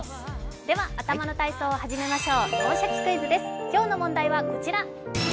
では頭の体操を始めましょう。